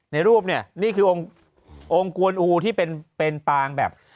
ในรูปเนี่ยนี่คือองค์กวนอูที่เป็นปางแบบ